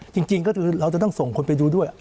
จริงก็คือเราจะต้องส่งคนไปดูด้วย